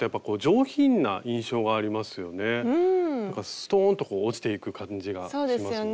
ストンとこう落ちていく感じがしますもんね。